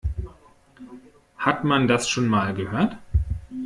Hat man das schon mal gehört?